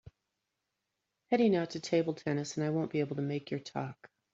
Heading out to table tennis and I won’t be able to make your talk.